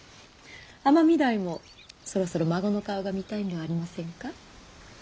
尼御台もそろそろ孫の顔が見たいのではありませんか。